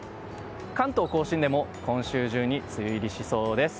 関東・甲信でも今週中に梅雨入りしそうです。